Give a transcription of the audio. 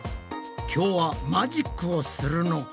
今日はマジックをするのか？